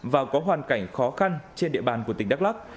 và có hoàn cảnh khó khăn trên địa bàn của tỉnh đắk lắc